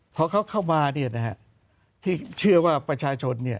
พอเขาเข้ามาที่เชื่อว่าประชาชน